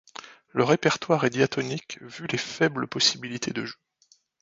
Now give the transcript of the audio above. Le répertoire est diatonique, vu les faibles possibilités de jeu.